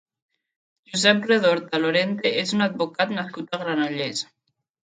Josep Redorta Lorente és un advocat nascut a Granollers.